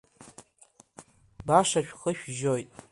Баша шәхы шәжьоит…